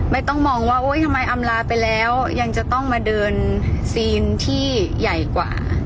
ไม่ต้องมองว่าทำไมอำลาไปแล้วยังจะต้องมาเดินซีนที่ใหญ่กว่า